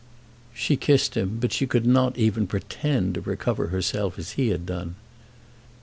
She kissed him, but she could not even pretend to recover herself as he had done.